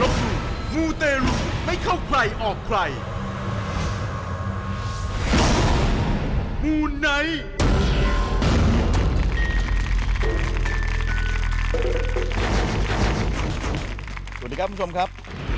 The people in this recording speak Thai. สวัสดีครับคุณผู้ชมครับ